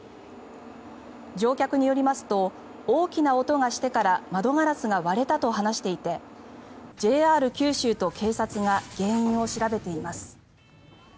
乗客によりますと大きな音がしてから窓ガラスが割れたと話していてＪＲ九州と警察が原因を調べています。